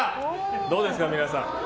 どうですか、皆さん。